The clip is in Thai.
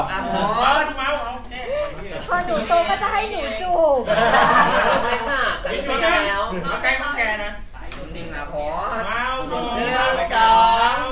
มาเอาตรงมหาว